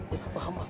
iya paham pak